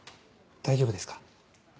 大丈夫ですか？